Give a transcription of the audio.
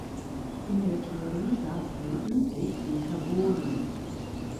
In der Jury saß wie üblich Dieter Bohlen.